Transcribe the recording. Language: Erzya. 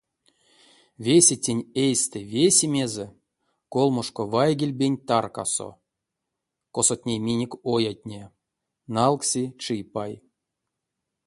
Весе тень эйстэ весемезэ колмошка вайгельбень таркасо, косот ней минек оятне, налкси чипай.